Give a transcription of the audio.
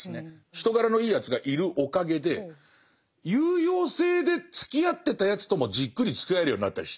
人柄のいいやつがいるおかげで有用性でつきあってたやつともじっくりつきあえるようになったりして。